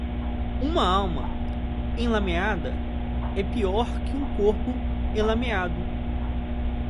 Uma alma enlameada é pior que um corpo enlameado.